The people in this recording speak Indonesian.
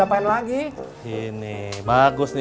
jangan juga ps saling b embarrass